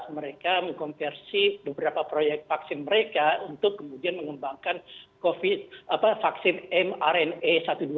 mereka mengkonversi beberapa proyek vaksin mereka untuk kemudian mengembangkan vaksin mrna seribu dua ratus tujuh puluh tiga